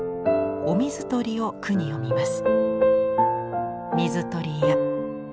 お水取りを句に詠みます。